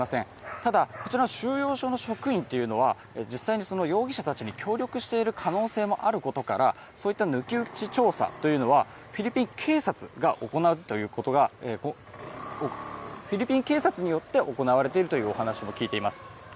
ただ、こちら収容所の職員というのは実際に容疑者たちに協力している可能性もあることから抜き打ち調査というのはフィリピン警察によって行われているというお話も聞いています。